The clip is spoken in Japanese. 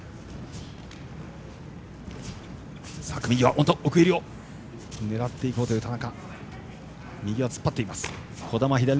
組み際、奥襟を狙っていこうという田中。